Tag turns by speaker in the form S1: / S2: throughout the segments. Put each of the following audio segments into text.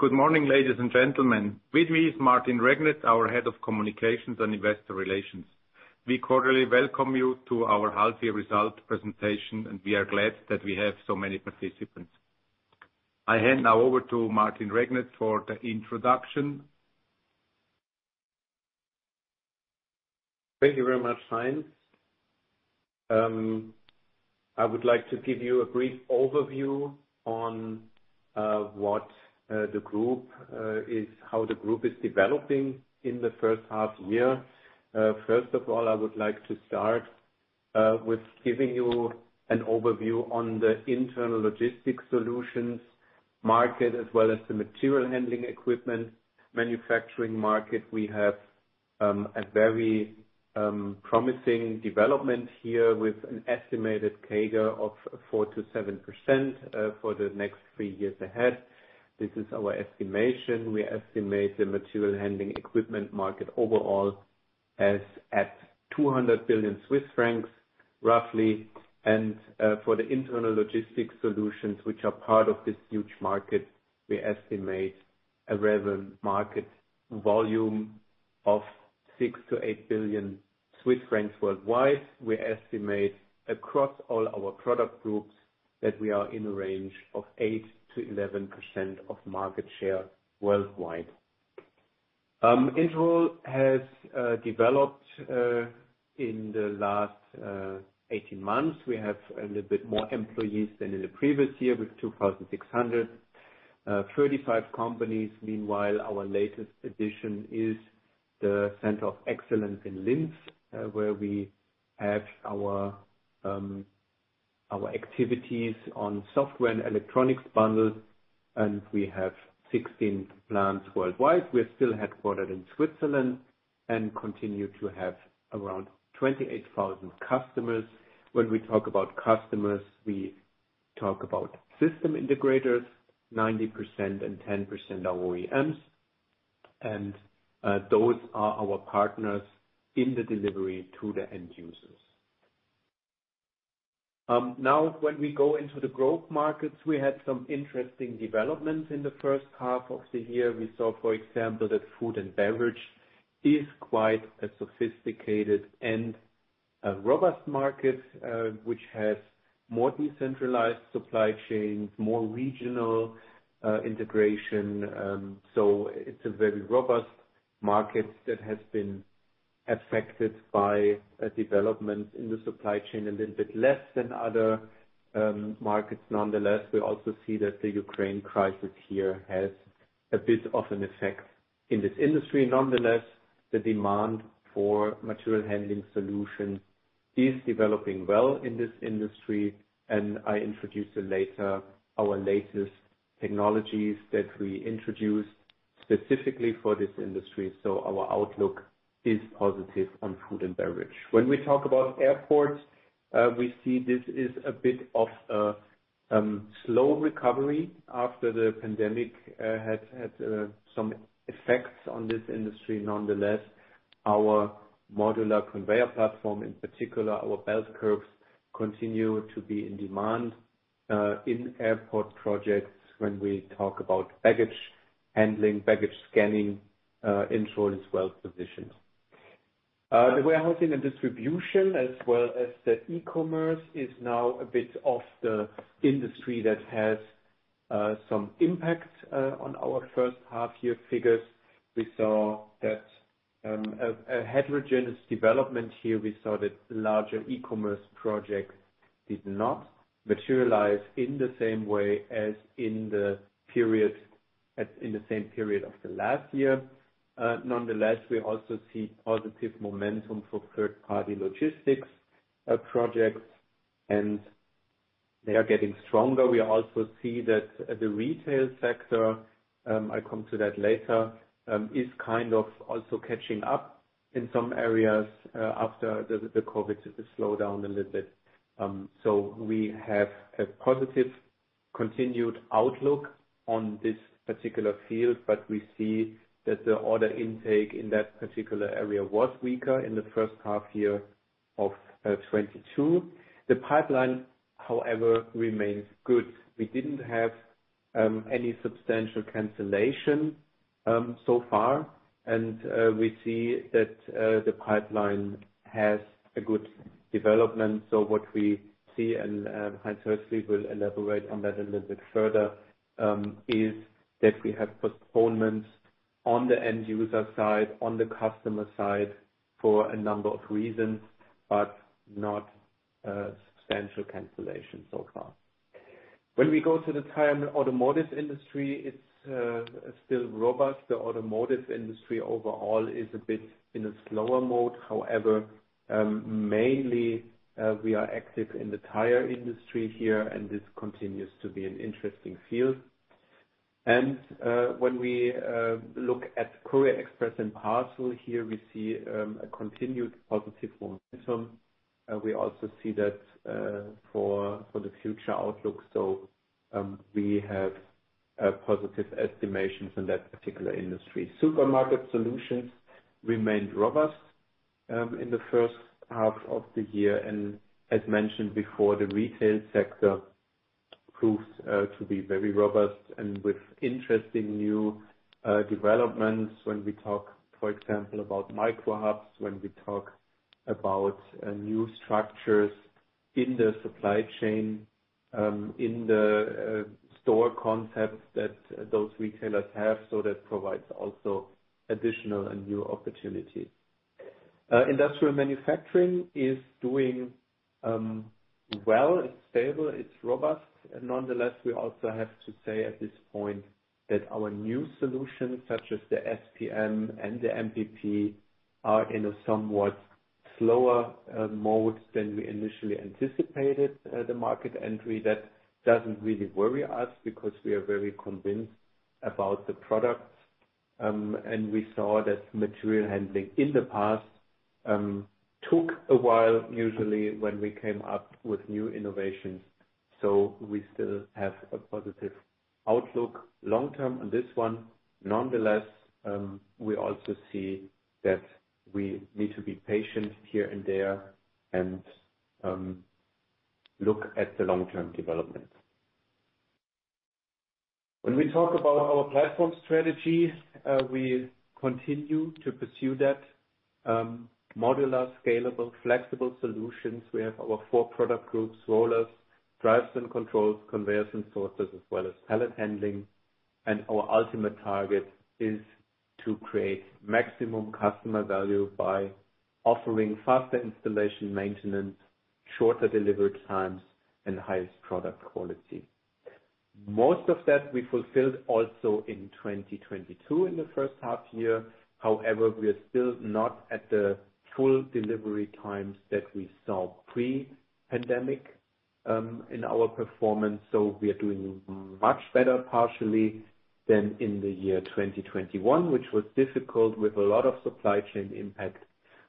S1: Good morning, ladies and gentlemen. With me is Martin Regnet, our head of communications and investor relations. We cordially welcome you to our half year result presentation, and we are glad that we have so many participants. I hand now over to Martin Regnet for the introduction.
S2: Thank you very much, Heinz. I would like to give you a brief overview on how the group is developing in the H1 year. First of all, I would like to start with giving you an overview on the internal logistics solutions market, as well as the material handling equipment manufacturing market. We have a very promising development here with an estimated CAGR of 4%-7% for the next three years ahead. This is our estimation. We estimate the material handling equipment market overall as 200 billion Swiss francs, roughly. For the internal logistics solutions, which are part of this huge market, we estimate a revenue market volume of 6-8 billion Swiss francs worldwide. We estimate across all our product groups that we are in a range of 8%-11% of market share worldwide. Interroll has developed in the last 18 months. We have a little bit more employees than in the previous year with 2,635 employees. Meanwhile, our latest addition is the Center of Excellence in Linz, where we have our activities on software and electronics bundle, and we have 16 plants worldwide. We're still headquartered in Switzerland and continue to have around 28,000 customers. When we talk about customers, we talk about system integrators, 90% and 10% are OEMs, and those are our partners in the delivery to the end users. Now when we go into the growth markets, we had some interesting developments in the H1 of the year. We saw, for example, that food and beverage is quite a sophisticated and a robust market, which has more decentralized supply chains, more regional integration. It's a very robust market that has been affected by a development in the supply chain, a little bit less than other markets. Nonetheless, we also see that the Ukraine crisis here has a bit of an effect in this industry. Nonetheless, the demand for material handling solution is developing well in this industry, and I introduce you later our latest technologies that we introduced specifically for this industry. Our outlook is positive on food and beverage. When we talk about airports, we see this is a bit of a slow recovery after the pandemic had some effects on this industry. Nonetheless, our Modular Conveyor Platform, in particular our Belt Curves, continue to be in demand in airport projects when we talk about baggage handling, baggage scanning, Interroll is well-positioned. The warehousing and distribution as well as the e-commerce is now a bit of the industry that has some impact on our H1 year figures. We saw that a heterogeneous development here, we saw that larger e-commerce projects did not materialize in the same way as in the same period of the last year. Nonetheless, we also see positive momentum for third-party logistics projects, and they are getting stronger. We also see that the retail sector, I come to that later, is kind of also catching up in some areas after the COVID slow down a little bit. We have a positive continued outlook on this particular field, but we see that the order intake in that particular area was weaker in the H1 year of 2022. The pipeline, however, remains good. We didn't have any substantial cancellation so far. We see that the pipeline has a good development. What we see, and Heinz Hössli will elaborate on that a little bit further, is that we have postponements on the end user side, on the customer side for a number of reasons, but not substantial cancellation so far. When we go to the tire and automotive industry, it's still robust. The automotive industry overall is a bit in a slower mode. However, mainly, we are active in the tire industry here, and this continues to be an interesting field. When we look at courier express and parcel here, we see a continued positive momentum. We also see that for the future outlook. We have positive estimations in that particular industry. Supermarket solutions remained robust. In the H1 of the year, and as mentioned before, the retail sector proves to be very robust and with interesting new developments when we talk, for example, about micro hubs, when we talk about new structures in the supply chain, in the store concepts that those retailers have. That provides also additional and new opportunities. Industrial manufacturing is doing well. It's stable, it's robust. Nonetheless, we also have to say at this point that our new solutions, such as the SPM and the MPP, are in a somewhat slower mode than we initially anticipated the market entry. That doesn't really worry us because we are very convinced about the product and we saw that material handling in the past took a while, usually, when we came up with new innovations. We still have a positive outlook long-term on this one. Nonetheless, we also see that we need to be patient here and there and look at the long-term development. When we talk about our platform strategy, we continue to pursue that modular, scalable, flexible solutions. We have our four product groups, Rollers, Drives & Controls, Conveyors & Sorters, as well as Pallet Handling. Our ultimate target is to create maximum customer value by offering faster installation, maintenance, shorter delivery times, and highest product quality. Most of that we fulfilled also in 2022 in the H1 year. However, we are still not at the full delivery times that we saw pre-pandemic in our performance. We are doing much better partially than in the year 2021, which was difficult with a lot of supply chain impact.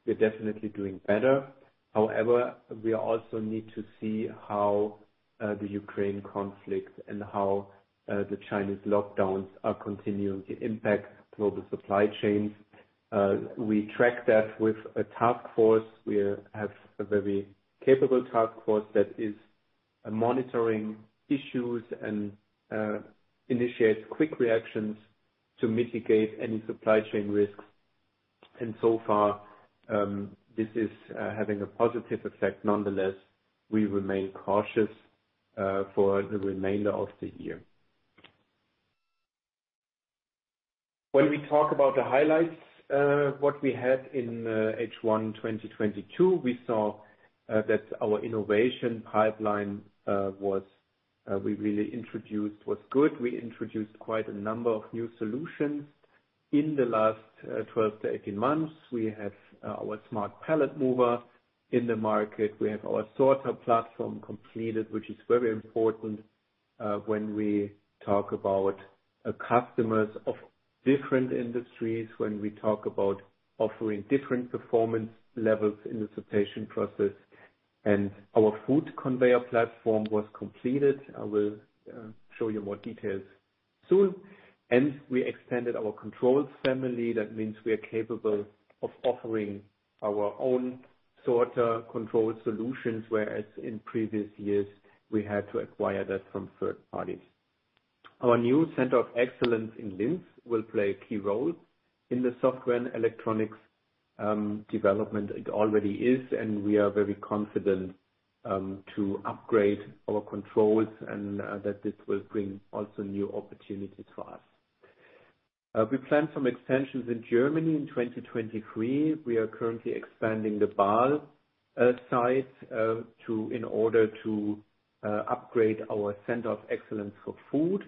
S2: We're definitely doing better. However, we also need to see how the Ukraine conflict and how the Chinese lockdowns are continuing to impact global supply chains. We track that with a task force. We have a very capable task force that is monitoring issues and initiates quick reactions to mitigate any supply chain risks. So far, this is having a positive effect. Nonetheless, we remain cautious for the remainder of the year. When we talk about the highlights, what we had in H1 2022, we saw that our innovation pipeline was good. We introduced quite a number of new solutions in the last 12-18 months. We have our Smart Pallet Mover in the market. We have our sorter platform completed, which is very important when we talk about customers of different industries, when we talk about offering different performance levels in the sortation process. Our Food Conveyor Platform was completed. I will show you more details soon. We extended our controls family. That means we are capable of offering our own sorter control solutions, whereas in previous years, we had to acquire that from third parties. Our new Center of Excellence in Linz will play a key role in the software and electronics development. It already is, and we are very confident to upgrade our controls and that this will bring also new opportunities for us. We plan some extensions in Germany in 2023. We are currently expanding the Baar site in order to upgrade our Center of Excellence for food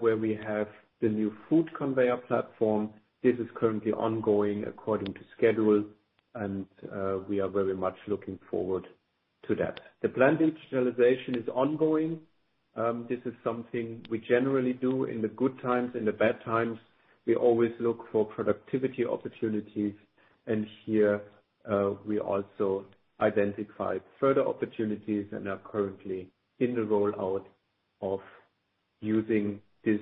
S2: where we have the new Food Conveyor Platform. This is currently ongoing according to schedule, and we are very much looking forward to that. The plant digitalization is ongoing. This is something we generally do in the good times, in the bad times. We always look for productivity opportunities. Here we also identified further opportunities and are currently in the rollout of using these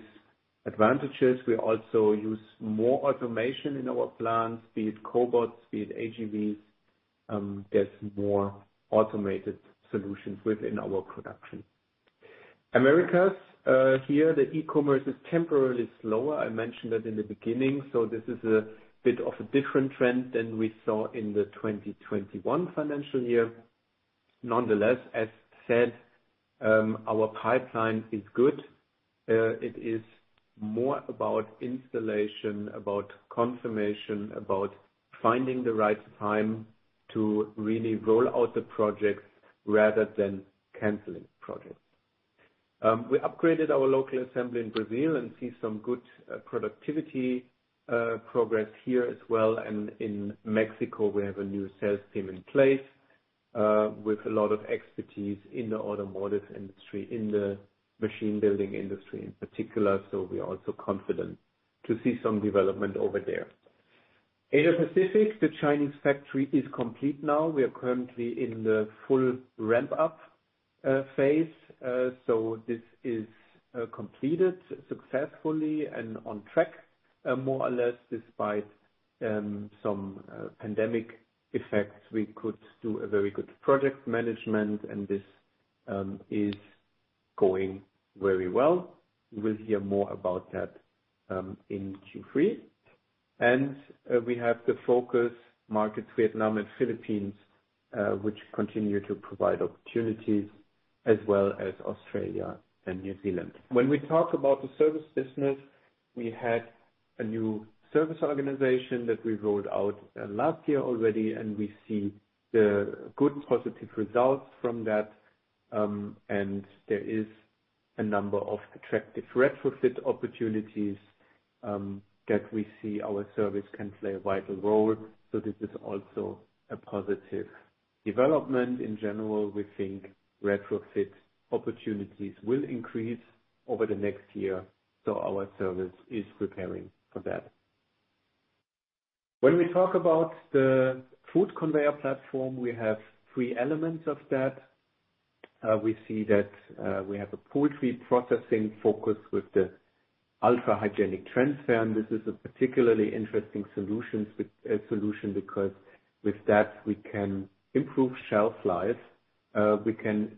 S2: advantages. We also use more automation in our plants, be it cobots, be it AGVs. There's more automated solutions within our production. Americas. Here the e-commerce is temporarily slower. I mentioned it in the beginning. This is a bit of a different trend than we saw in the 2021 financial year. Nonetheless, as said, our pipeline is good. It is more about installation, about confirmation, about finding the right time to really roll out the projects rather than canceling projects. We upgraded our local assembly in Brazil and see some good productivity progress here as well. In Mexico, we have a new sales team in place with a lot of expertise in the automotive industry, in the machine building industry in particular. We are also confident to see some development over there. Asia Pacific, the Chinese factory is complete now. We are currently in the full ramp up phase. This is completed successfully and on track, more or less despite some pandemic effects. We could do a very good project management and this is going very well. We'll hear more about that in Q3. We have the focus markets, Vietnam and Philippines, which continue to provide opportunities as well as Australia and New Zealand. When we talk about the service business, we had a new service organization that we rolled out last year already, and we see the good positive results from that. There is a number of attractive retrofit opportunities that we see our service can play a vital role. This is also a positive development. In general, we think retrofit opportunities will increase over the next year, so our service is preparing for that. When we talk about the Food Conveyor Platform, we have three elements of that. We see that we have a poultry processing focus with the Ultra Hygienic Transfer. This is a particularly interesting solution because with that we can improve shelf life, we can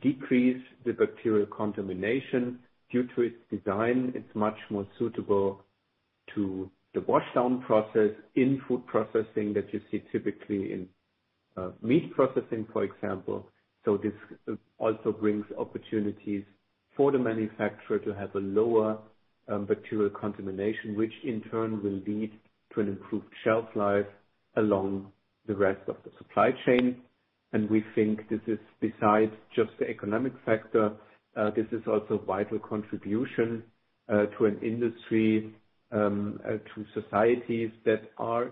S2: decrease the bacterial contamination. Due to its design, it's much more suitable to the wash down process in food processing that you see typically in meat processing, for example. This also brings opportunities for the manufacturer to have a lower bacterial contamination, which in turn will lead to an improved shelf life along the rest of the supply chain. We think this is besides just the economic factor, this is also vital contribution to an industry to societies that are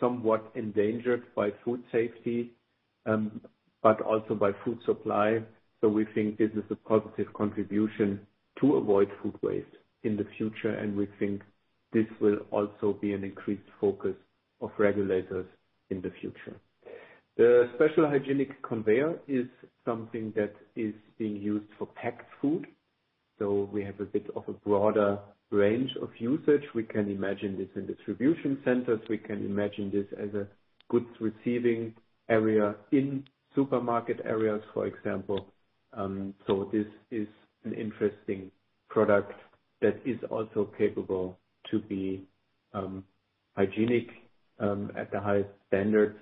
S2: somewhat endangered by food safety, but also by food supply. We think this is a positive contribution to avoid food waste in the future, and we think this will also be an increased focus of regulators in the future. The Special Hygienic Conveyor is something that is being used for packed food. We have a bit of a broader range of usage. We can imagine this in distribution centers. We can imagine this as a goods receiving area in supermarket areas, for example. This is an interesting product that is also capable to be hygienic at the highest standards,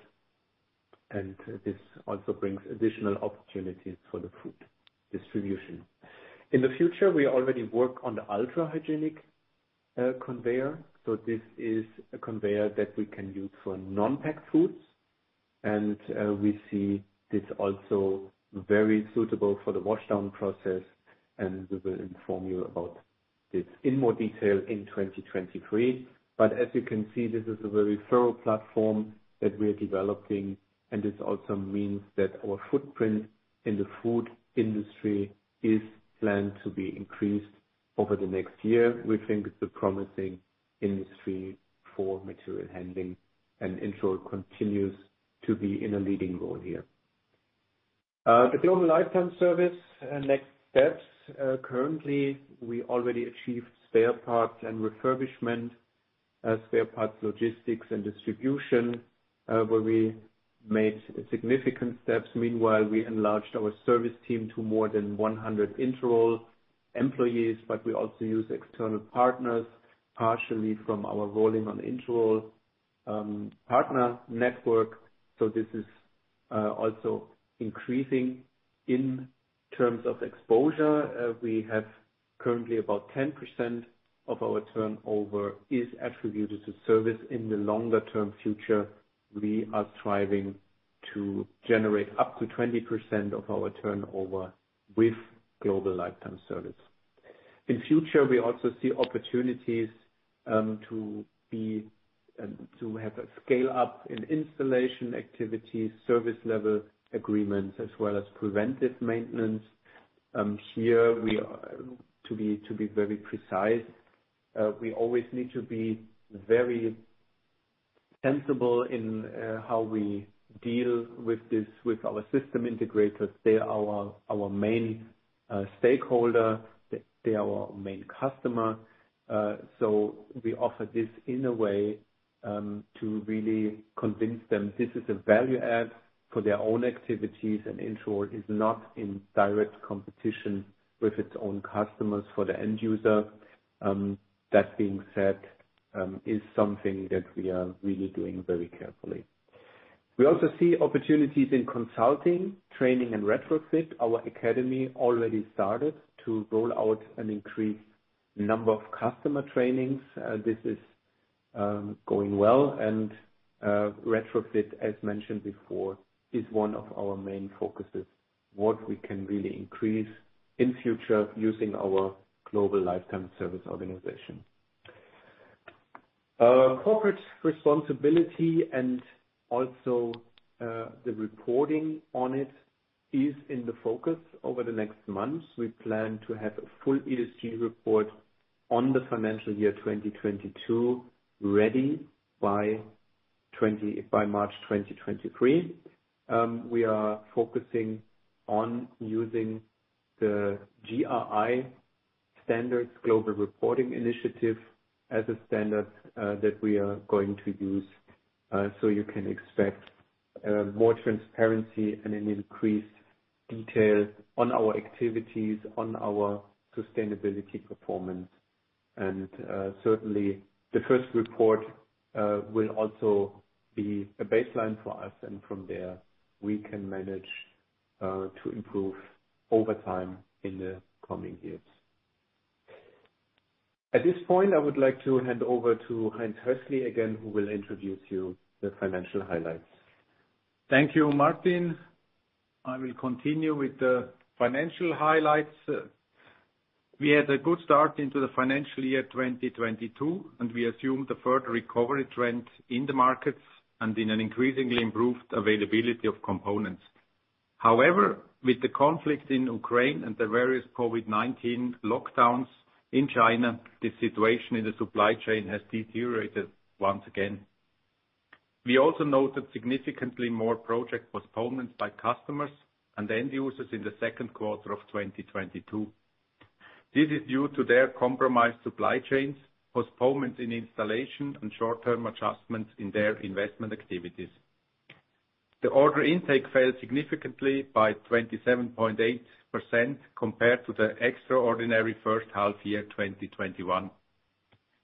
S2: and this also brings additional opportunities for the food distribution. In the future, we already work on the Ultra Hygienic Conveyor. This is a conveyor that we can use for non-packed foods. We see this also very suitable for the wash down process, and we will inform you about this in more detail in 2023. As you can see, this is a very thorough platform that we are developing, and this also means that our footprint in the food industry is planned to be increased over the next year. We think it's a promising industry for material handling and Interroll continues to be in a leading role here. The Global Lifetime Service next steps. Currently we already achieved spare parts and refurbishment, spare parts logistics and distribution, where we made significant steps. Meanwhile, we enlarged our service team to more than 100 Interroll employees, but we also use external partners, partially from our Interroll partner network. This is also increasing in terms of exposure. We have currently about 10% of our turnover is attributed to service. In the longer term future, we are striving to generate up to 20% of our turnover with Global Lifetime Service. In future, we also see opportunities to have a scale-up in installation activities, service level agreements, as well as preventive maintenance. To be very precise, we always need to be very sensible in how we deal with this with our system integrators. They're our main stakeholder. They're our main customer. We offer this in a way to really convince them this is a value add for their own activities, and Interroll is not in direct competition with its own customers for the end user. That being said, is something that we are really doing very carefully. We also see opportunities in consulting, training and retrofit. Our academy already started to roll out an increased number of customer trainings. This is going well. Retrofit, as mentioned before, is one of our main focuses, what we can really increase in future using our Global Lifetime Service organization. Corporate responsibility and also the reporting on it is in the focus over the next months. We plan to have a full ESG report on the financial year 2022 ready by March 2023. We are focusing on using the GRI standards, Global Reporting Initiative, as a standard that we are going to use. You can expect more transparency and an increased detail on our activities, on our sustainability performance. Certainly the first report will also be a baseline for us. From there, we can manage to improve over time in the coming years. At this point, I would like to hand over to Heinz Hössli again, who will introduce you to the financial highlights.
S1: Thank you, Martin. I will continue with the financial highlights. We had a good start into the financial year 2022, and we assumed a further recovery trend in the markets and in an increasingly improved availability of components. However, with the conflict in Ukraine and the various COVID-19 lockdowns in China, the situation in the supply chain has deteriorated once again. We also noted significantly more project postponements by customers and end users in the Q2 of 2022. This is due to their compromised supply chains, postponements in installation, and short-term adjustments in their investment activities. The order intake fell significantly by 27.8% compared to the extraordinary H1 year, 2021.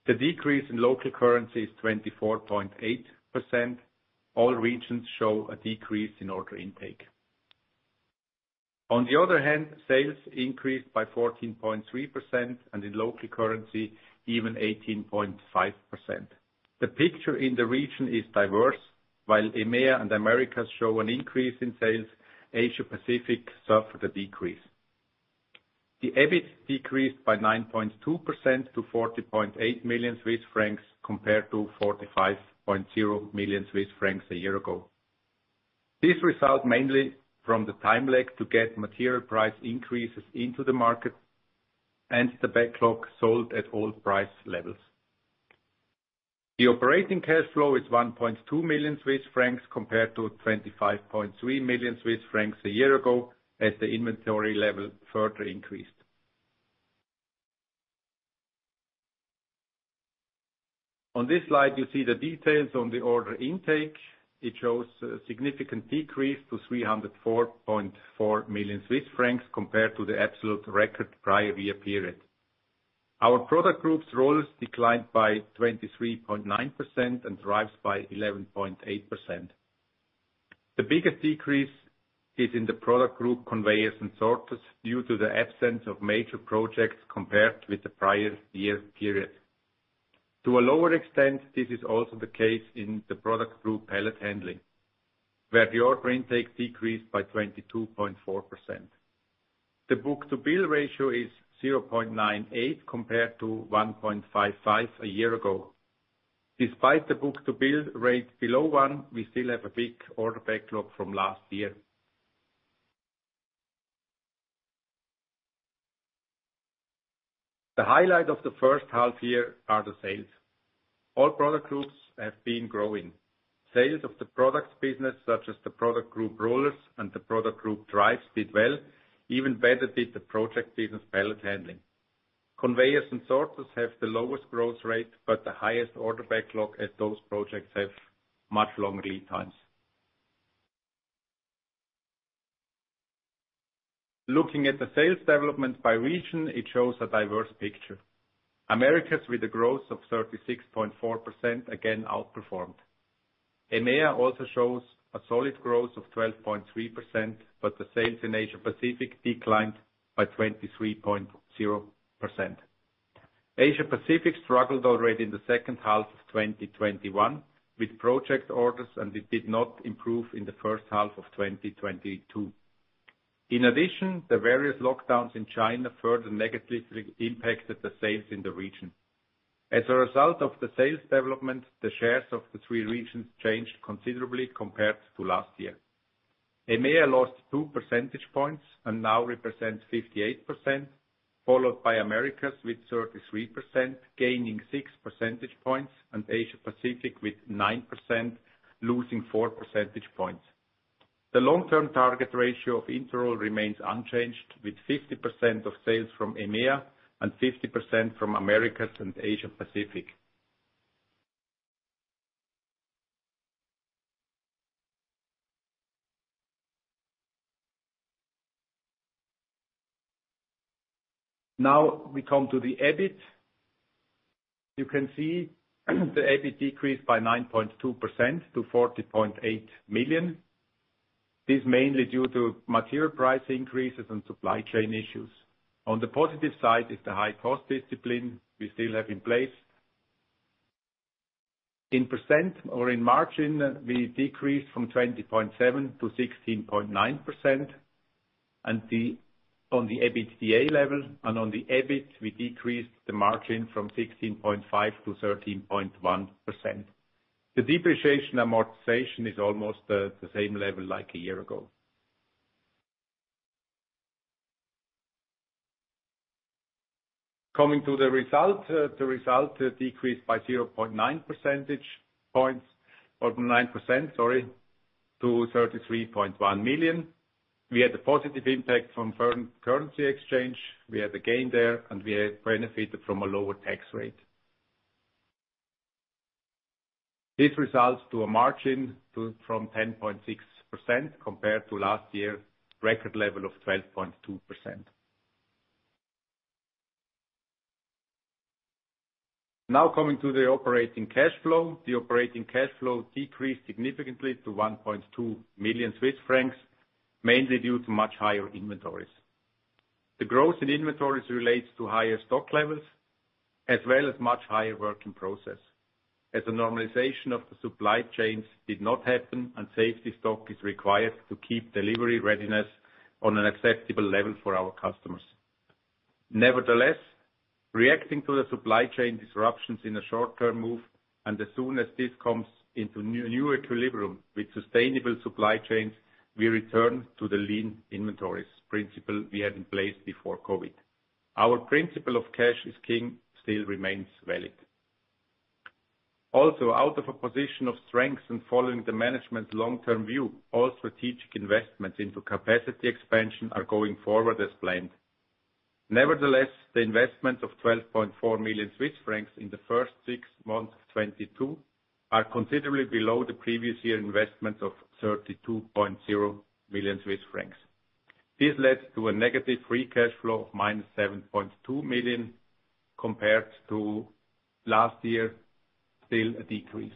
S1: The decrease in local currency is 24.8%. All regions show a decrease in order intake. On the other hand, sales increased by 14.3%, and in local currency, even 18.5%. The picture in the region is diverse. While EMEA and America show an increase in sales, Asia-Pacific suffered a decrease. The EBIT decreased by 9.2% to 40.8 million Swiss francs compared to 45.0 million Swiss francs a year ago. This result mainly from the time lag to get material price increases into the market and the backlog sold at all price levels. The operating cash flow is 1.2 million Swiss francs compared to 25.3 million Swiss francs a year ago, as the inventory level further increased. On this slide, you see the details on the order intake. It shows a significant decrease to 304.4 million Swiss francs compared to the absolute record prior year period. Our product group Rollers declined by 23.9% and Drives by 11.8%. The biggest decrease is in the product group Conveyors & Sorters due to the absence of major projects compared with the prior year period. To a lower extent, this is also the case in the product group Pallet Handling, where the order intake decreased by 22.4%. The book-to-bill ratio is 0.98 compared to 1.55 a year ago. Despite the book-to-bill rate below one, we still have a big order backlog from last year. The highlight of the H1 year are the sales. All product groups have been growing. Sales of the products business, such as the product group Rollers and the product group Drives, did well. Even better did the project business Pallet Handling. Conveyors & Sorters have the lowest growth rate, but the highest order backlog as those projects have much longer lead times. Looking at the sales development by region, it shows a diverse picture. Americas, with a growth of 36.4%, again outperformed. EMEA also shows a solid growth of 12.3%, but the sales in Asia-Pacific declined by 23.0%. Asia-Pacific struggled already in the H2 of 2021 with project orders, and it did not improve in the H1 of 2022. In addition, the various lockdowns in China further negatively impacted the sales in the region. As a result of the sales development, the shares of the three regions changed considerably compared to last year. EMEA lost 2 percentage points and now represents 58%, followed by Americas with 33%, gaining 6 percentage points, and Asia-Pacific with 9%, losing 4 percentage points. The long-term target ratio of Interroll remains unchanged, with 50% of sales from EMEA and 50% from Americas and Asia-Pacific. Now we come to the EBIT. You can see the EBIT decreased by 9.2% to 40.8 million. This is mainly due to material price increases and supply chain issues. On the positive side is the high cost discipline we still have in place. In percent or in margin, we decreased from 20.7% to 16.9%. On the EBITDA level and on the EBIT, we decreased the margin from 16.5% to 13.1%. The depreciation amortization is almost the same level like a year ago. Coming to the result. The result decreased by 0.9 percentage points, or 9%, sorry, to 33.1 million. We had a positive impact from currency exchange. We had a gain there, and we benefited from a lower tax rate. This results in a margin of 10.6% compared to last year's record level of 12.2%. Now coming to the operating cash flow. The operating cash flow decreased significantly to 1.2 million Swiss francs, mainly due to much higher inventories. The growth in inventories relates to higher stock levels as well as much higher work in process, as the normalization of the supply chains did not happen and safety stock is required to keep delivery readiness on an acceptable level for our customers. Nevertheless, reacting to the supply chain disruptions in a short-term move, and as soon as this comes into new equilibrium with sustainable supply chains, we return to the lean inventories principle we had in place before COVID. Our principle of cash is king still remains valid. Also, out of a position of strength and following the management's long-term view, all strategic investments into capacity expansion are going forward as planned. Nevertheless, the investment of 12.4 million Swiss francs in the first six months of 2022 are considerably below the previous year investment of 32.0 million Swiss francs. This led to a negative free cash flow of -7.2 million compared to last year, still a decrease.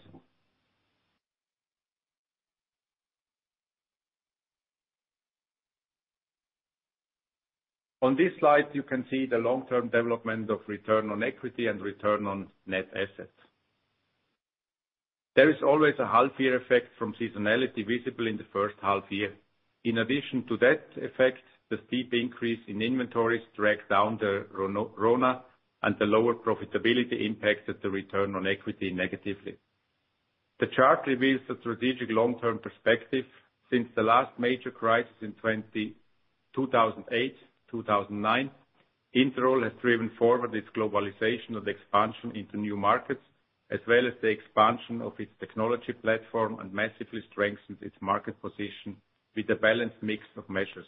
S1: On this slide, you can see the long-term development of return on equity and return on net assets. There is always a half year effect from seasonality visible in the H1 year. In addition to that effect, the steep increase in inventories drags down the RONA, and the lower profitability impacts the return on equity negatively. The chart reveals the strategic long-term perspective since the last major crisis in 2008, 2009. Interroll has driven forward its globalization and expansion into new markets, as well as the expansion of its technology platform, and massively strengthened its market position with a balanced mix of measures.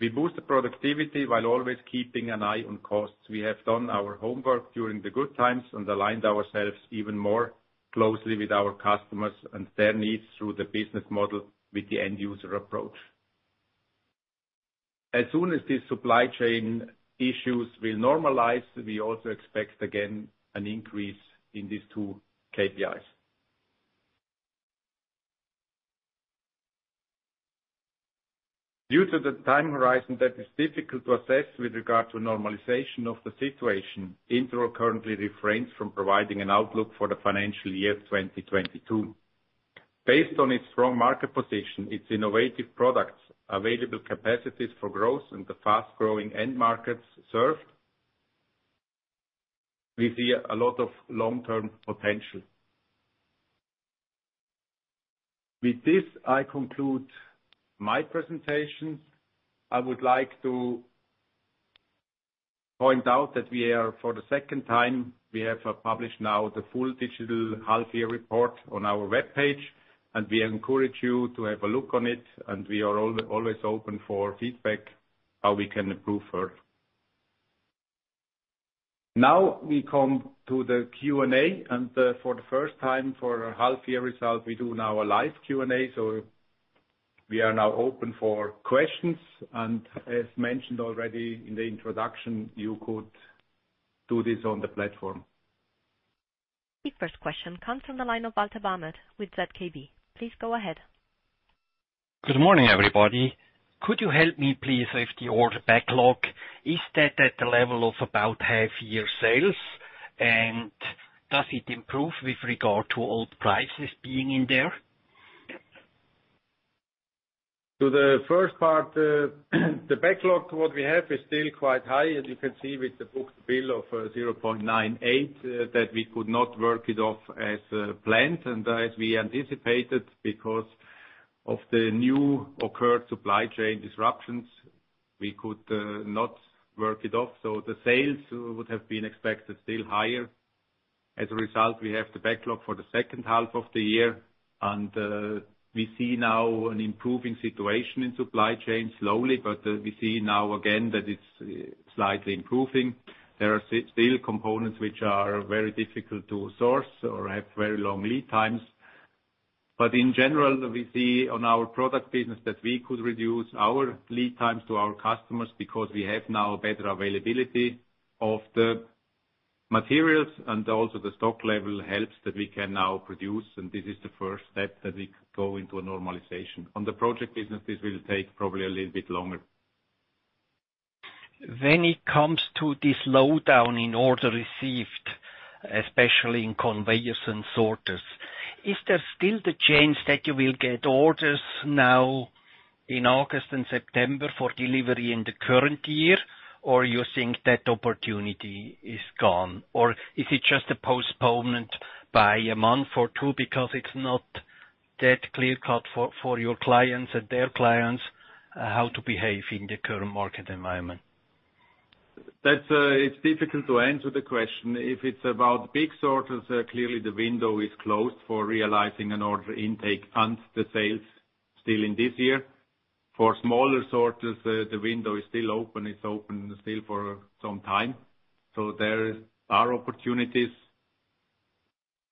S1: We boost the productivity while always keeping an eye on costs. We have done our homework during the good times and aligned ourselves even more closely with our customers and their needs through the business model with the end user approach. As soon as the supply chain issues will normalize, we also expect again an increase in these two KPIs. Due to the time horizon that is difficult to assess with regard to normalization of the situation, Interroll currently refrains from providing an outlook for the financial year 2022. Based on its strong market position, its innovative products, available capacities for growth, and the fast-growing end markets served, we see a lot of long-term potential. With this, I conclude my presentation. I would like to point out that, for the second time, we have published now the full digital half year report on our webpage, and we are always open for feedback how we can improve further. Now we come to the Q&A, and, for the first time for our half year results, we do now a live Q&A. We are now open for questions. As mentioned already in the introduction, you could do this on the platform.
S3: The first question comes from the line of Daniel Bättig with ZKB. Please go ahead.
S4: Good morning, everybody. Could you help me, please, with the order backlog? Is that at the level of about half year sales, and does it improve with regard to old prices being in there?
S1: To the first part, the backlog, what we have is still quite high, as you can see with the book-to-bill of 0.98, that we could not work it off as planned and as we anticipated because of the new occurred supply chain disruptions. We could not work it off. The sales would have been expected still higher. As a result, we have the backlog for the H2 of the year. We see now an improving situation in supply chain, slowly, but we see now again that it's slightly improving. There are still components which are very difficult to source or have very long lead times. in general, we see on our product business that we could reduce our lead times to our customers because we have now better availability of the materials and also the stock level helps that we can now produce, and this is the first step that we go into a normalization. On the project business, this will take probably a little bit longer.
S4: When it comes to this slowdown in orders received, especially in Conveyors & Sorters, is there still the chance that you will get orders now in August and September for delivery in the current year, or you think that opportunity is gone? Or is it just a postponement by a month or two because it's not that clear cut for your clients and their clients how to behave in the current market environment.
S1: That's, it's difficult to answer the question. If it's about big sorters, clearly the window is closed for realizing an order intake and the sales still in this year. For smaller sorters, the window is still open. It's open still for some time, so there are opportunities.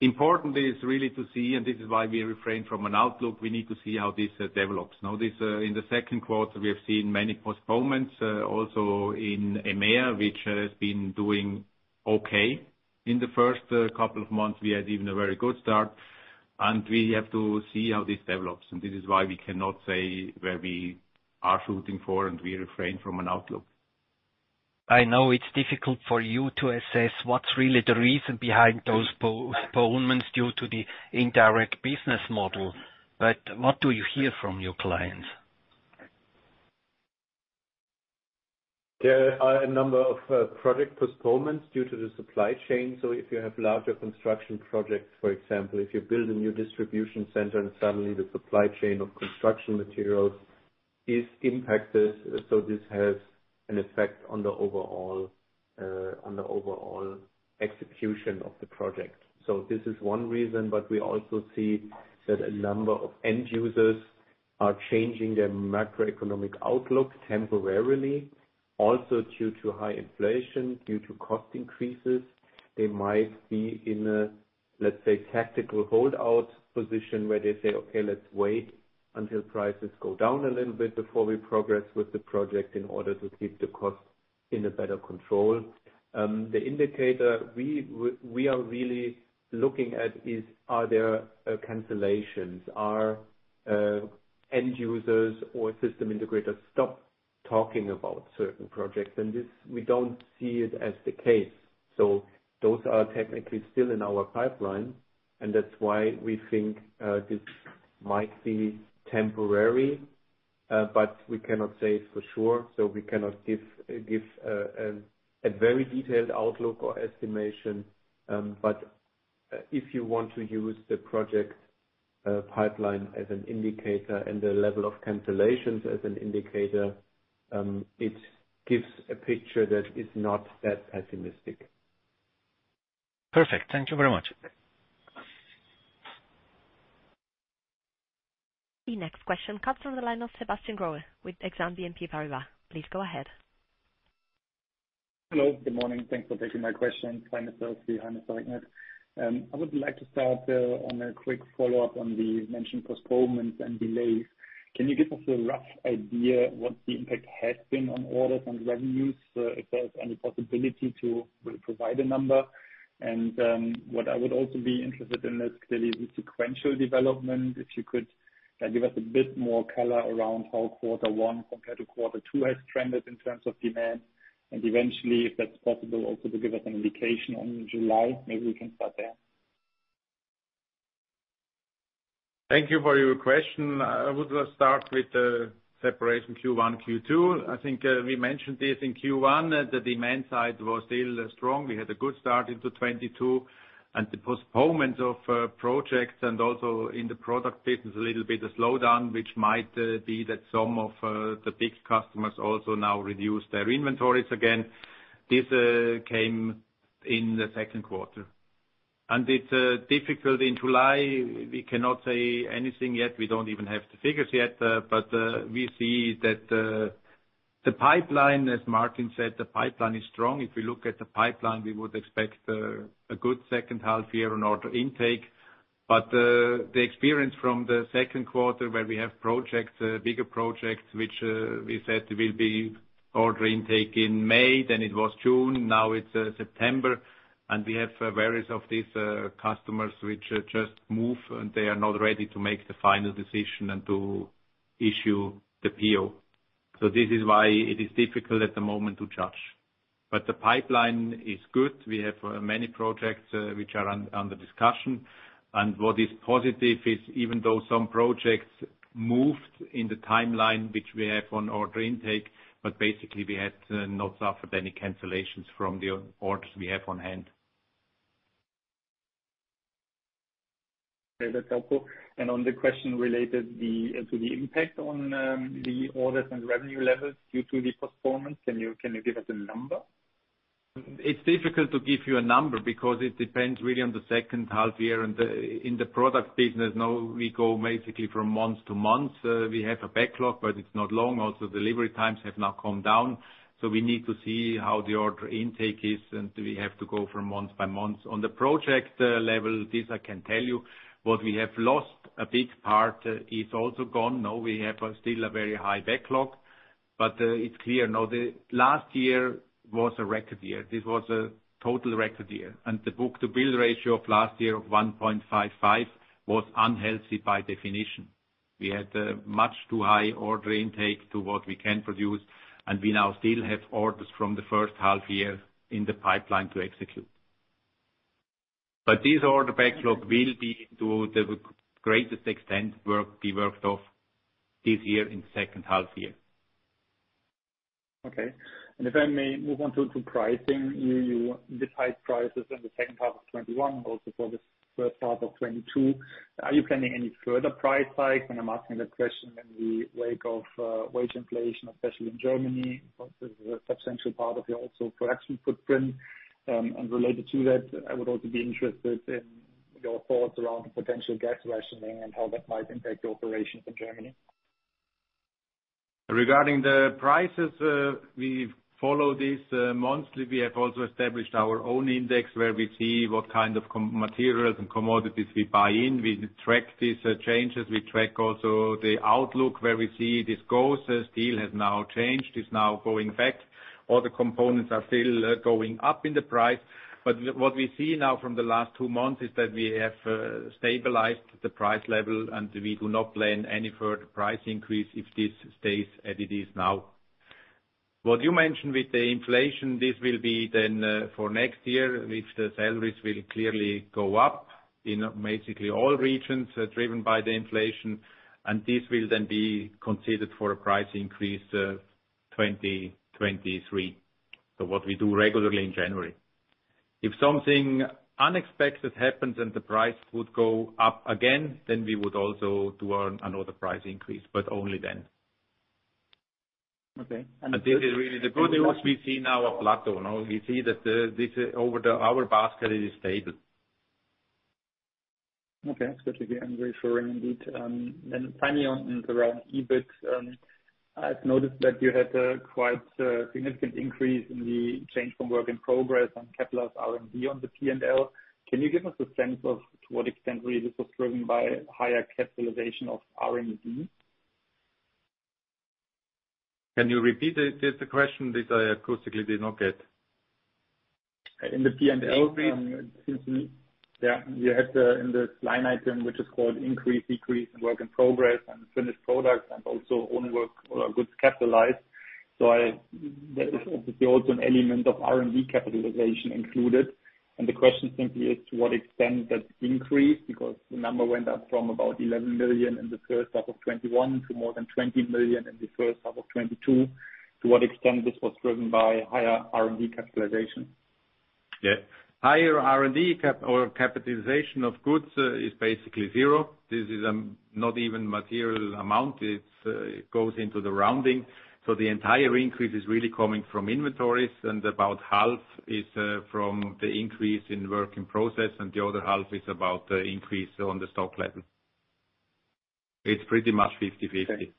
S1: Important is really to see, and this is why we refrain from an outlook, we need to see how this develops. Now, this, in the Q2 we have seen many postponements, also in EMEA, which has been doing okay. In the first couple of months we had even a very good start, and we have to see how this develops, and this is why we cannot say where we are shooting for, and we refrain from an outlook.
S4: I know it's difficult for you to assess what's really the reason behind those postponements due to the indirect business model, but what do you hear from your clients?
S1: There are a number of project postponements due to the supply chain. If you have larger construction projects, for example, if you build a new distribution center and suddenly the supply chain of construction materials is impacted, this has an effect on the overall execution of the project. This is one reason, but we also see that a number of end users are changing their macroeconomic outlook temporarily, also due to high inflation, due to cost increases. They might be in a, let's say, tactical holdout position where they say, "Okay, let's wait until prices go down a little bit before we progress with the project in order to keep the cost in a better control." The indicator we are really looking at is are there cancellations? Are end users or system integrators stop talking about certain projects? This, we don't see it as the case. Those are technically still in our pipeline, and that's why we think this might be temporary, but we cannot say for sure, so we cannot give a very detailed outlook or estimation. If you want to use the project pipeline as an indicator and the level of cancellations as an indicator, it gives a picture that is not that pessimistic.
S4: Perfect. Thank you very much.
S3: The next question comes from the line of Sebastian Groh with Exane BNP Paribas. Please go ahead.
S5: Hello, good morning. Thanks for taking my question.
S4: Thanks.
S5: I would like to start on a quick follow-up on the mentioned postponements and delays. Can you give us a rough idea what the impact has been on orders and revenues? If there's any possibility to re-provide a number. What I would also be interested in is clearly the sequential development. If you could, give us a bit more color around how quarter one compared to quarter two has trended in terms of demand. Eventually, if that's possible, also to give us an indication on July, maybe we can start there.
S1: Thank you for your question. I would start with the separation Q1, Q2. I think we mentioned this in Q1, the demand side was still strong. We had a good start into 2022. The postponement of projects and also in the product business, a little bit of slowdown, which might be that some of the big customers also now reduce their inventories again. This came in the Q2. It's difficult in July. We cannot say anything yet. We don't even have the figures yet. We see that the pipeline, as Martin said, the pipeline is strong. If we look at the pipeline, we would expect a good H2 year in order intake. The experience from the Q2 where we have projects, bigger projects, which we said will be order intake in May, then it was June, now it's September, and we have various of these customers which just move, and they are not ready to make the final decision and to issue the PO. So this is why it is difficult at the moment to judge. The pipeline is good. We have many projects which are under discussion. What is positive is even though some projects moved in the timeline, which we have on order intake, but basically we had not suffered any cancellations from the orders we have on hand.
S5: Okay, that's helpful. On the question related to the impact on the orders and revenue levels due to the performance, can you give us a number?
S1: It's difficult to give you a number because it depends really on the H2 year. In the product business, now we go basically from month to month. We have a backlog, but it's not long. Also, delivery times have now come down. We need to see how the order intake is, and we have to go from month by month. On the project level, this I can tell you, what we have lost, a big part is also gone. Now we have still a very high backlog, but it's clear. Now, the last year was a record year. This was a total record year. The book-to-bill ratio of last year of 1.55 was unhealthy by definition. We had much too high order intake to what we can produce, and we now still have orders from the H1 year in the pipeline to execute. These order backlog will be to the greatest extent be worked off this year in H2 year.
S5: Okay. If I may move on to pricing. You decide prices in the H2 of 2021, also for the H1 of 2022. Are you planning any further price hikes? I'm asking that question in the wake of wage inflation, especially in Germany, of the substantial part of your also production footprint. Related to that, I would also be interested in your thoughts around potential gas rationing and how that might impact your operations in Germany.
S1: Regarding the prices, we follow this monthly. We have also established our own index, where we see what kind of materials and commodities we buy in. We track these changes. We track also the outlook, where we see this goes. Steel has now changed, is now going back. Other components are still going up in the price. But what we see now from the last two months is that we have stabilized the price level, and we do not plan any further price increase if this stays as it is now. What you mentioned with the inflation, this will be then for next year, if the salaries will clearly go up in basically all regions, driven by the inflation. This will then be considered for a price increase, 2023. What we do regularly in January. If something unexpected happens and the price would go up again, then we would also do another price increase, but only then.
S5: Okay.
S1: This is really the good news we see now, a plateau, no? We see that over our basket, it is stable.
S5: Okay, that's good to hear. That's reassuring indeed. Finally around EBIT, I've noticed that you had a quite significant increase in the change in work in progress and capitalized R&D on the P&L. Can you give us a sense of to what extent really this was driven by higher capitalization of R&D?
S1: Can you repeat it? There's a question which I acoustically did not get.
S5: In the P&L.
S1: Yeah.
S5: You had the in this line item, which is called increase/decrease in work in progress and finished products and also own work or goods capitalized. There is also an element of R&D capitalization included. The question simply is to what extent that increased, because the number went up from about 11 million in the H1 of 2021 to more than 20 million in the H1 of 2022, to what extent this was driven by higher R&D capitalization?
S1: Yeah. Higher R&D CapEx or capitalization of goods is basically zero. This is not even material amount. It goes into the rounding. The entire increase is really coming from inventories, and about half is from the increase in work in process, and the other half is about the increase on the stock level. It's pretty much 50/50.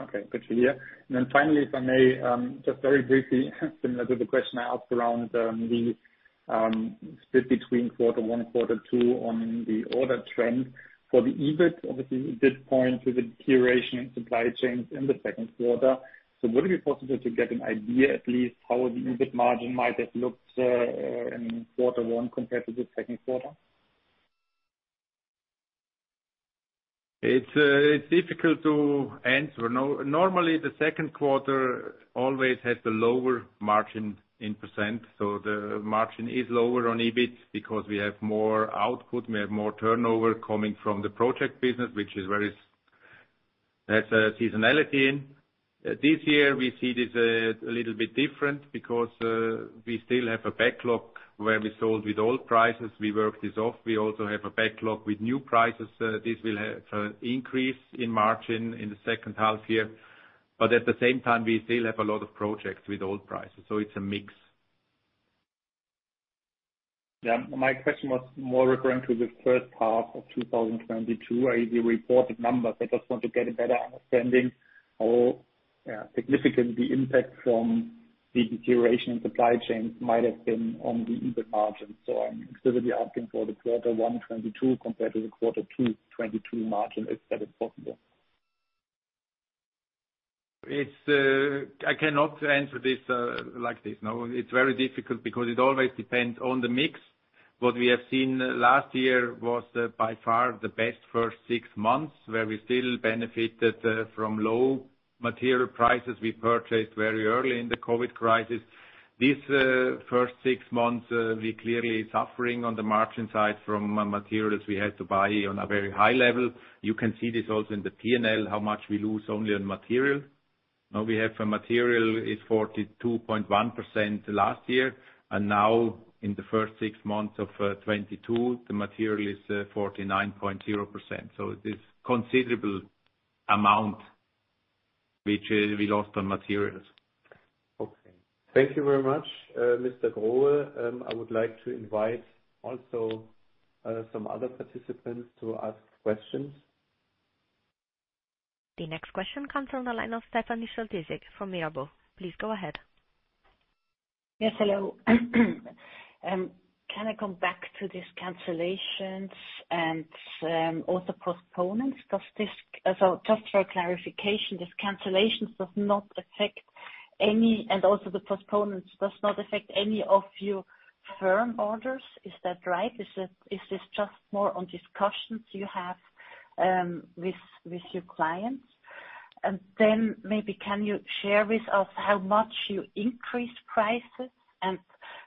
S5: Okay. Good to hear. Then finally, if I may, just very briefly, similar to the question I asked around the split between Q1 and Q2 on the order trend. For the EBIT, obviously you did point to the deterioration in supply chains in the Q2. Would it be possible to get an idea at least how the EBIT margin might have looked in quarter one compared to the Q2?
S1: It's difficult to answer. Normally, the Q2 always has the lower margin %, so the margin is lower on EBIT because we have more output, we have more turnover coming from the project business, which has a seasonality in. This year we see this a little bit different because we still have a backlog where we sold with old prices. We worked this off. We also have a backlog with new prices. This will have an increase in margin in the H2 year. At the same time, we still have a lot of projects with old prices, so it's a mix.
S5: Yeah. My question was more referring to the H2 of 2022, the reported numbers. I just want to get a better understanding how significant the impact from the deterioration in supply chains might have been on the EBIT margin. I'm specifically asking for the Q1 2022 compared to the Q2 2022 margin, if that is possible.
S1: I cannot answer this, like this, no. It's very difficult because it always depends on the mix. What we have seen last year was by far the best first six months, where we still benefited from low material prices we purchased very early in the COVID crisis. This first six months, we're clearly suffering on the margin side from materials we had to buy on a very high level. You can see this also in the P&L, how much we lose only on material. Now we have a material is 42.1% last year, and now in the first six months of 2022, the material is 49.0%. It is considerable amount which we lost on materials.
S5: Okay. Thank you very much, Mr. Hössli. I would like to invite also some other participants to ask questions.
S6: The next question comes on the line of Stephanie Schultzeck from Mirabaud. Please go ahead. Yes, hello. Can I come back to these cancellations and also postponements? Just for clarification, these cancellations does not affect any, and also the postponements, does not affect any of your firm orders. Is that right? Is it this just more on discussions you have with your clients? Maybe can you share with us how much you increased prices and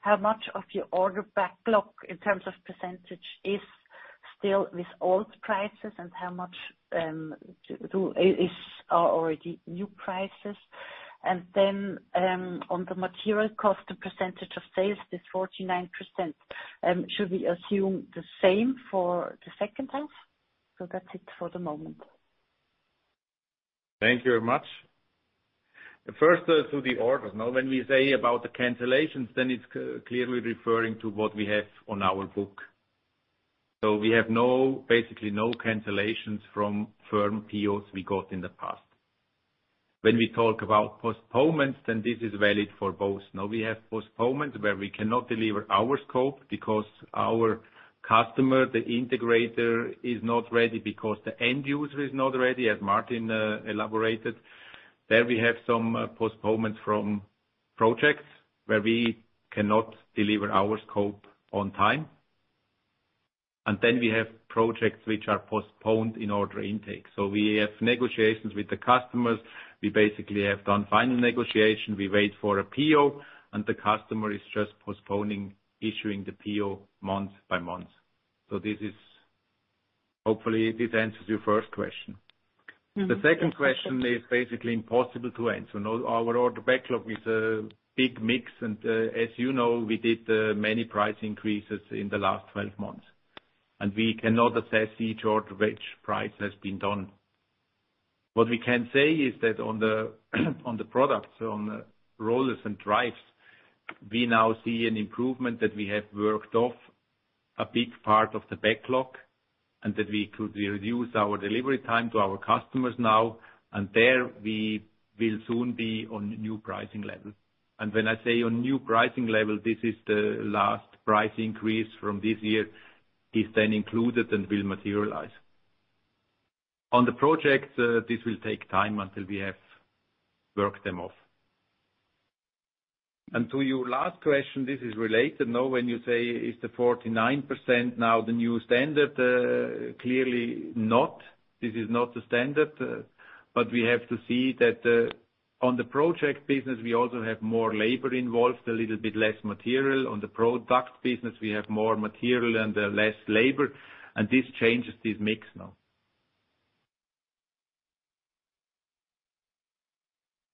S6: how much of your order backlog in terms of percentage is still with old prices and how much are already new prices. On the material cost, the percentage of sales is 49%. Should we assume the same for the H2? That's it for the moment.
S1: Thank you very much. First, to the orders. Now, when we say about the cancellations, then it's clearly referring to what we have on our book. We have basically no cancellations from firm POs we got in the past. When we talk about postponements, then this is valid for both. Now, we have postponements where we cannot deliver our scope because our customer, the integrator, is not ready because the end user is not ready, as Martin elaborated. There we have some postponements from projects where we cannot deliver our scope on time. Then we have projects which are postponed in order intake. We have negotiations with the customers. We basically have done final negotiation. We wait for a PO, and the customer is just postponing issuing the PO month by month. This hopefully answers your first question.
S6: Mm-hmm. The second question is basically impossible to answer. Now, our order backlog is a big mix, and, as, we did many price increases in the last 12 months, and we cannot assess each order which price has been done. What we can say is that on the, on the products, on the Rollers and Drives, we now see an improvement that we have worked off a big part of the backlog and that we could reduce our delivery time to our customers now, and there we will soon be on new pricing level. When I say on new pricing level, this is the last price increase from this year is then included and will materialize. On the project, this will take time until we have worked them off. To your last question, this is related.
S1: Now, when you say, is the 49% now the new standard, clearly not. This is not the standard, but we have to see that, on the project business, we also have more labor involved, a little bit less material. On the product business, we have more material and, less labor. This changes this mix now.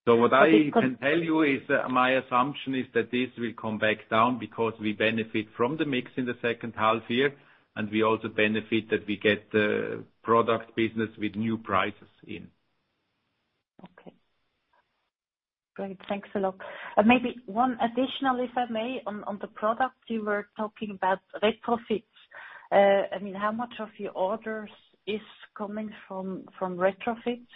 S1: What I can tell you is, my assumption is that this will come back down because we benefit from the mix in the H2 year, and we also benefit that we get the product business with new prices in.
S6: Okay. Great. Thanks a lot. Maybe one additional, if I may, on the product. You were talking about retrofits. I mean, how much of your orders is coming from retrofits?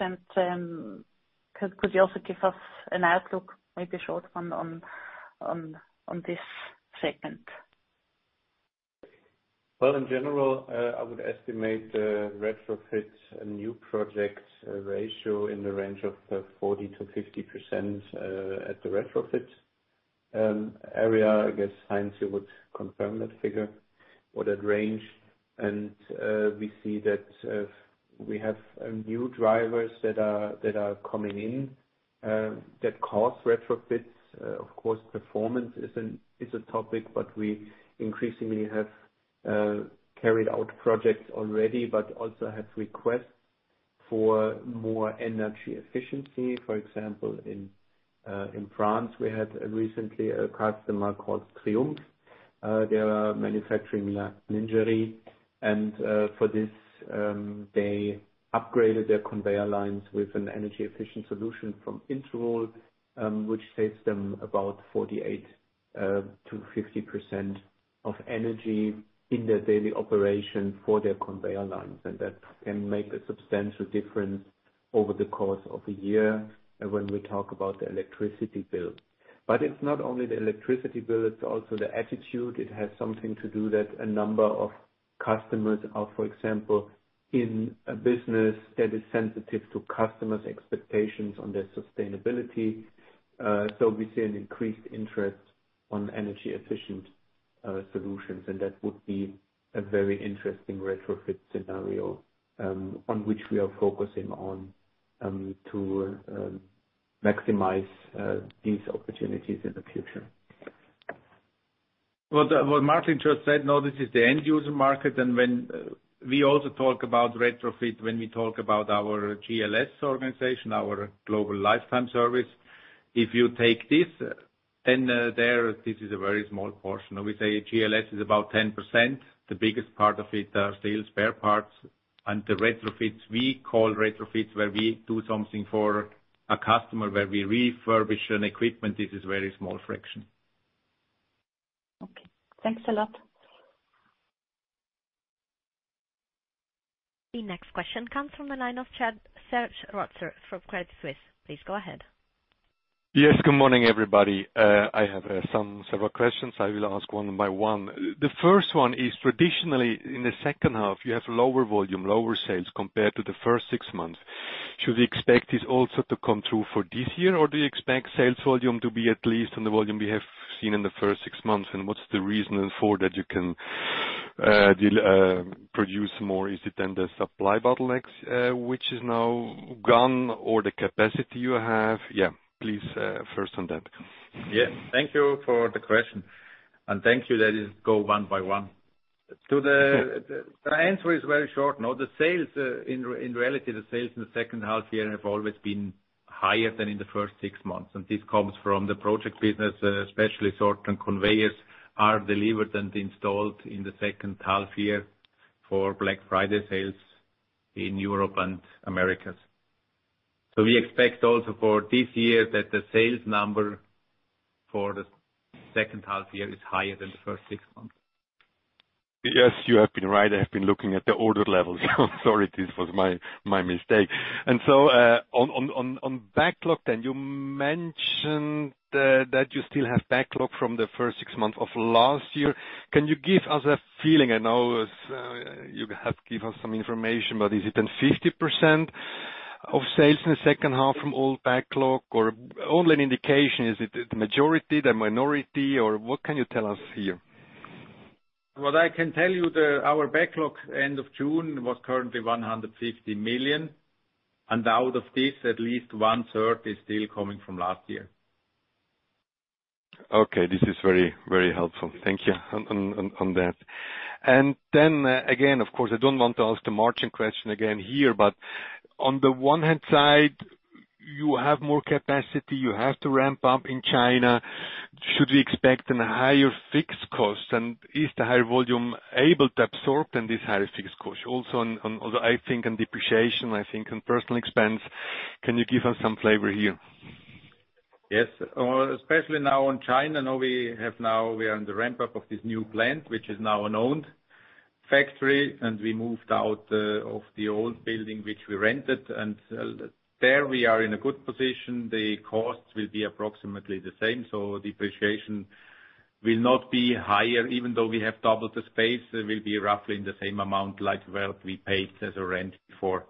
S6: Could you also give us an outlook, maybe a short one on this segment?
S2: Well, in general, I would estimate the retrofit and new project ratio in the range of 40%-50% at the retrofit area, I guess, Heinz Hössli would confirm that figure or that range. We see that we have new drivers that are coming in that cause retrofits. Of course, performance is a topic, but we increasingly have carried out projects already but also have requests for more energy efficiency. For example, in France, we had recently a customer called Triumph. They are manufacturing lingerie and for this, they upgraded their conveyor lines with an energy-efficient solution from Interroll, which saves them about 48%-50% of energy in their daily operation for their conveyor lines. That can make a substantial difference over the course of a year, when we talk about the electricity bill. It's not only the electricity bill, it's also the attitude. It has something to do that a number of customers are, for example, in a business that is sensitive to customers' expectations on their sustainability. We see an increased interest on energy-efficient solutions, and that would be a very interesting retrofit scenario, on which we are focusing on, to maximize these opportunities in the future.
S1: What Martin just said, now this is the end user market. We also talk about retrofit when we talk about our GLS organization, our Global Lifetime Service. If you take this, then this is a very small portion. Now we say GLS is about 10%. The biggest part of it are sales, spare parts, and the retrofits. We call retrofits where we do something for a customer, where we refurbish an equipment. This is very small fraction.
S3: Okay. Thanks a lot. The next question comes from the line of Serge Rotzer from Credit Suisse. Please go ahead.
S7: Yes. Good morning, everybody. I have several questions. I will ask one by one. The first one is traditionally in the H2 you have lower volume, lower sales compared to the first six months. Should we expect this also to come through for this year, or do you expect sales volume to be at least on the volume we have seen in the first six months, and what's the reason for that you can produce more? Is it then the supply bottlenecks, which is now gone or the capacity you have? Yeah, please, first on that.
S1: Yeah. Thank you for the question, and thank you. Let us go one by one.
S7: Sure.
S1: The answer is very short. No, the sales in reality, the sales in the H2 year have always been higher than in the first six months. This comes from the project business, especially sorters and conveyors are delivered and installed in the H2 year for Black Friday sales in Europe and Americas. We expect also for this year that the sales number for the H2 year is higher than the first six months.
S7: Yes, you have been right. I have been looking at the order levels. I'm sorry, this was my mistake. On backlog then, you mentioned that you still have backlog from the first six months of last year. Can you give us a feeling? I know it's, you have give us some information, but is it then 50% of sales in the H2 from all backlog? Or only an indication, is it the majority, the minority, or what can you tell us here?
S1: What I can tell you, our backlog end of June was currently 150 million, and out of this, at least one-third is still coming from last year.
S7: Okay. This is very, very helpful. Thank you on that. Again, of course, I don't want to ask the margin question again here, but on the one hand side, you have more capacity, you have to ramp up in China. Should we expect a higher fixed cost, and is the higher volume able to absorb in this higher fixed cost? Also, although I think on depreciation, I think on personnel expense. Can you give us some flavor here?
S1: Yes. Oh, especially now in China, we are in the ramp-up of this new plant, which is now an owned factory, and we moved out of the old building which we rented. There we are in a good position. The costs will be approximately the same, so depreciation will not be higher. Even though we have doubled the space, it will be roughly in the same amount like where we paid as a rent for.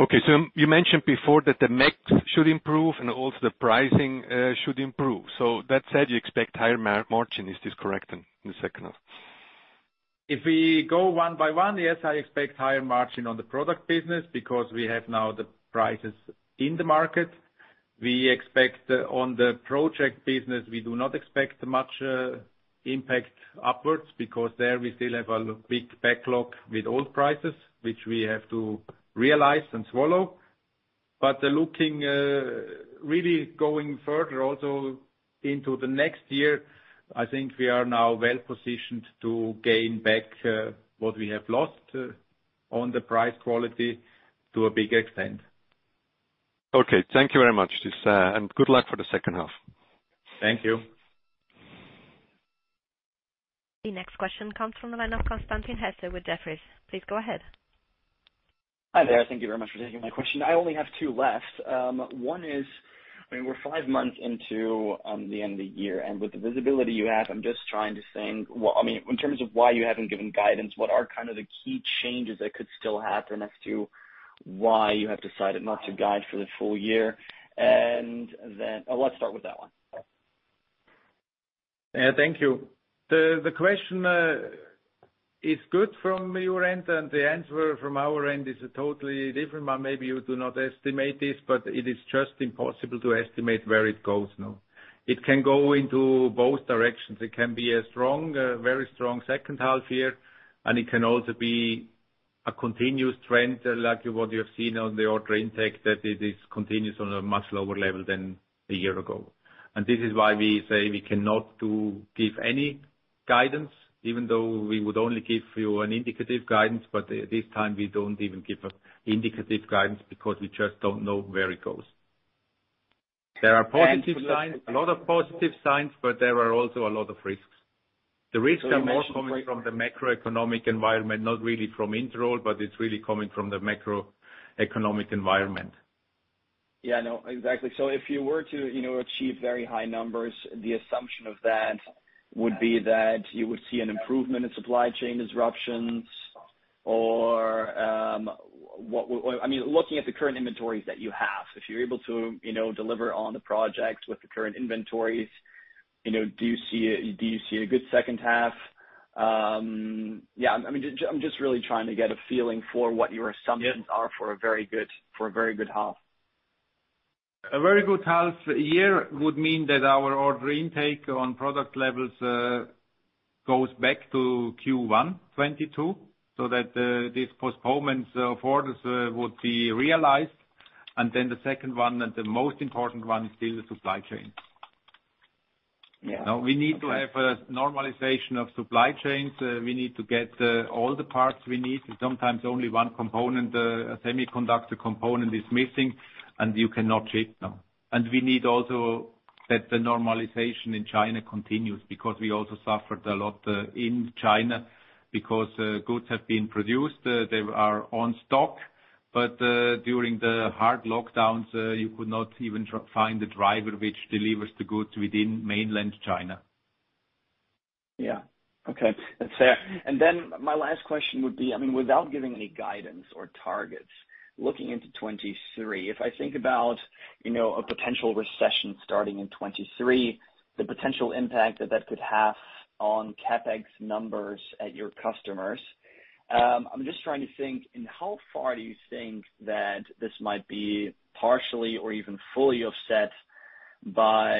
S7: Okay. You mentioned before that the mix should improve and also the pricing should improve. That said, you expect higher margin. Is this correct in the H2?
S1: If we go one by one, yes, I expect higher margin on the product business because we have now the prices in the market. We expect on the project business, we do not expect much impact upwards because there we still have a big backlog with old prices, which we have to realize and swallow. Looking really going further also into the next year, I think we are now well-positioned to gain back what we have lost on the price quality to a big extent.
S7: Okay. Thank you very much. Good luck for the H2.
S1: Thank you.
S3: The next question comes from the line of Constantin Hesse with Jefferies. Please go ahead.
S8: Hi there. Thank you very much for taking my question. I only have two left. One is, I mean, we're five months into the end of the year. With the visibility you have, I'm just trying to think, I mean, in terms of why you haven't given guidance, what are kind of the key changes that could still happen as to why you have decided not to guide for the full year? Oh, let's start with that one.
S1: Yeah, thank you. The question is good from your end, and the answer from our end is totally different. Maybe you do not estimate this, but it is just impossible to estimate where it goes now. It can go into both directions. It can be a very strong H2 year, and it can also be a continuous trend, like what you have seen on the order intake, that it is continuous on a much lower level than a year ago. This is why we say we cannot give any guidance, even though we would only give you an indicative guidance. This time, we don't even give an indicative guidance because we just don't know where it goes. There are positive signs, a lot of positive signs, but there are also a lot of risks. The risks are more coming from the macroeconomic environment, not really from Interroll, but it's really coming from the macroeconomic environment.
S8: Yeah, I know. Exactly. If you were to achieve very high numbers, the assumption of that would be that you would see an improvement in supply chain disruptions or, I mean, looking at the current inventories that you have, if you're able to deliver on the projects with the current inventories do you see a good H2? Yeah. I mean, I'm just really trying to get a feeling for what your assumptions
S1: Yeah.
S8: for a very good half.
S1: A very good half year would mean that our order intake on product levels goes back to Q1 2022, so that these postponements orders would be realized. The second one, and the most important one is still the supply chains.
S8: Yeah. Okay.
S1: Now, we need to have a normalization of supply chains. We need to get all the parts we need. Sometimes only one component, a semiconductor component is missing, and you cannot ship now. We need also that the normalization in China continues because we also suffered a lot in China because goods have been produced, they are in stock, but during the hard lockdowns, you could not even find a driver which delivers the goods within mainland China.
S8: Yeah. Okay. That's fair. My last question would be, I mean, without giving any guidance or targets, looking into 2023, if I think about a potential recession starting in 2023, the potential impact that that could have on CapEx numbers at your customers. I'm just trying to think, in how far do you think that this might be partially or even fully offset by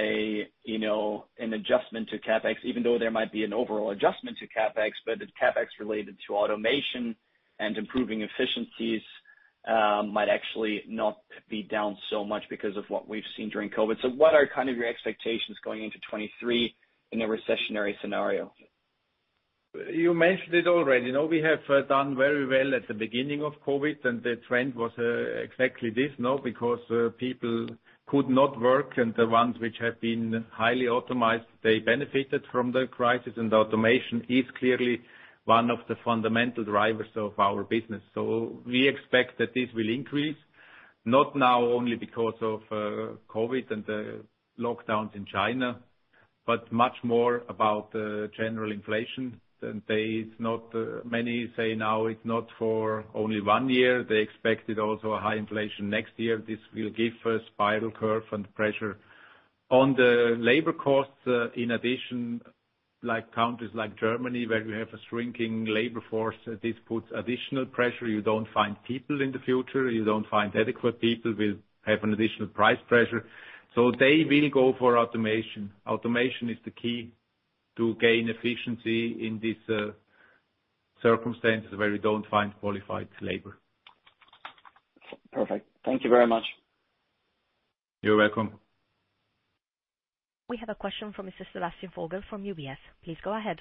S8: an adjustment to CapEx, even though there might be an overall adjustment to CapEx, but it's CapEx related to automation and improving efficiencies, might actually not be down so much because of what we've seen during COVID. What are kind of your expectations going into 2023 in a recessionary scenario?
S1: You mentioned it already., we have done very well at the beginning of COVID, and the trend was exactly this because people could not work and the ones which have been highly automated, they benefited from the crisis. Automation is clearly one of the fundamental drivers of our business. We expect that this will increase. Not now only because of COVID and the lockdowns in China, but much more about general inflation. And this is not only for one year. Many say now it's not for only one year, they expected also a high inflation next year. This will give a spiral curve and pressure on the labor costs, in addition, like countries like Germany, where we have a shrinking labor force, this puts additional pressure. You don't find people in the future. You don't find adequate people, we'll have an additional price pressure. They will go for automation. Automation is the key to gain efficiency in this circumstances where you don't find qualified labor.
S8: Perfect. Thank you very much.
S1: You're welcome.
S3: We have a question from Mr. Sebastian Vogel from UBS. Please go ahead.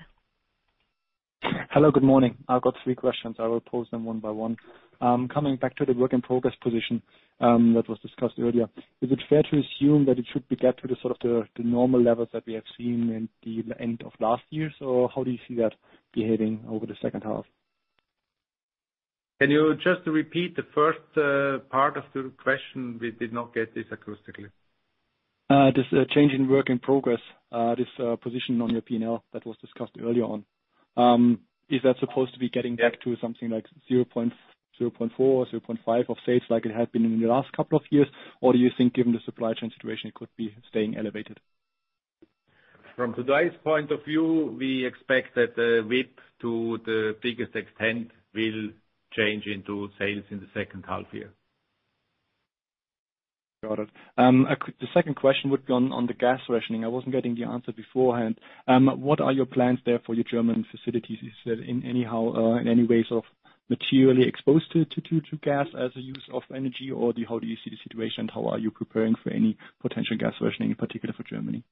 S9: Hello. Good morning. I've got three questions. I will pose them one by one. Coming back to the work in progress position that was discussed earlier, is it fair to assume that it should get to the sort of normal levels that we have seen in the end of last year? How do you see that behaving over the H2?
S1: Can you just repeat the first part of the question? We did not get this acoustically.
S9: This change in work in progress position on your P&L that was discussed earlier on. Is that supposed to be getting back to something like 0.4% or 0.5% of sales like it had been in the last couple of years? Do you think given the supply chain situation, it could be staying elevated?
S1: From today's point of view, we expect that the WIP to the biggest extent will change into sales in the H2 year.
S9: Got it. The second question would be on the gas rationing. I wasn't getting the answer beforehand. What are your plans there for your German facilities? Is that in any way materially exposed to gas as a use of energy? Or how do you see the situation? How are you preparing for any potential gas rationing, in particular for Germany?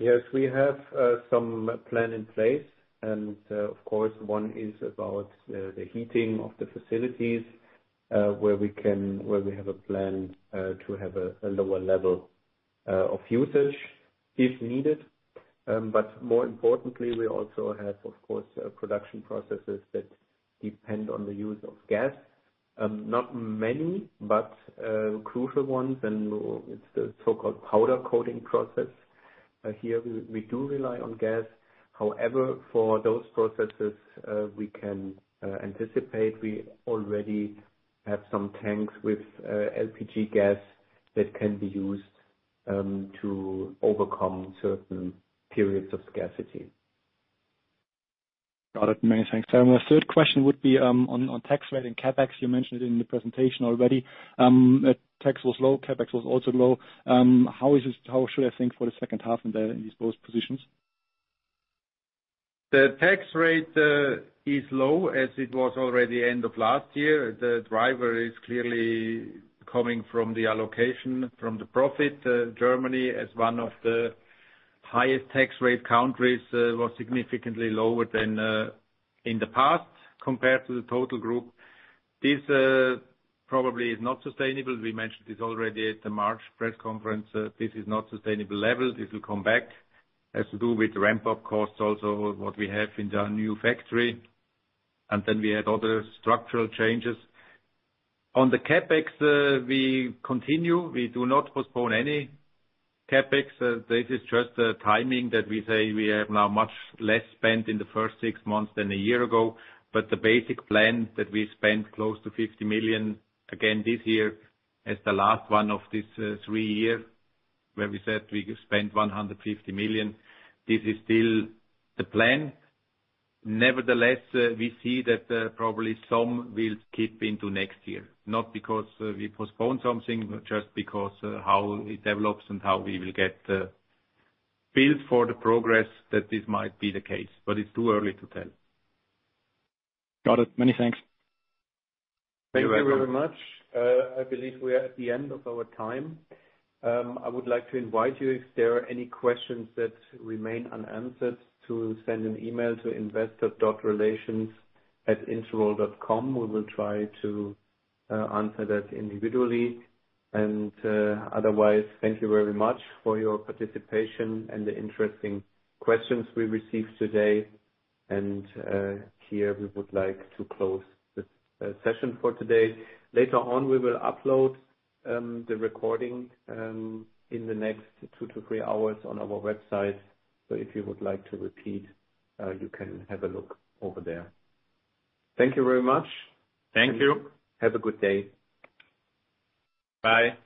S1: Yes, we have some plan in place. Of course, one is about the heating of the facilities, where we have a plan to have a lower level of usage if needed. But more importantly, we also have, of course, production processes that depend on the use of gas. Not many, but crucial ones. It's the so-called powder coating process. Here we do rely on gas. However, for those processes, we can anticipate, we already have some tanks with LPG gas that can be used to overcome certain periods of scarcity.
S9: Got it. Many thanks. My third question would be on tax rate and CapEx. You mentioned it in the presentation already. Tax was low, CapEx was also low. How should I think for the H2 in these both positions?
S1: The tax rate is low as it was already end of last year. The driver is clearly coming from the allocation from the profit. Germany as one of the highest tax rate countries was significantly lower than in the past compared to the total group. This probably is not sustainable. We mentioned this already at the March press conference. This is not sustainable level. It will come back. Has to do with ramp-up costs also, what we have in the new factory. We had other structural changes. On the CapEx, we continue. We do not postpone any CapEx. This is just a timing that we say we have now much less spent in the first six months than a year ago. The basic plan that we spent close to 50 million, again this year, as the last one of this three year, where we said we could spend 150 million, this is still the plan. Nevertheless, we see that, probably some will keep into next year, not because we postpone something, but just because, how it develops and how we will get, bills for the progress that this might be the case. It's too early to tell.
S9: Got it. Many thanks.
S1: You're welcome.
S2: Thank you very much. I believe we are at the end of our time. I would like to invite you, if there are any questions that remain unanswered, to send an email to investor.relations@interroll.com. We will try to answer that individually. Otherwise, thank you very much for your participation and the interesting questions we received today. Here, we would like to close this session for today. Later on, we will upload the recording in the next 2-3 hours on our website. If you would like to repeat, you can have a look over there. Thank you very much.
S1: Thank you.
S2: Have a good day.
S1: Bye.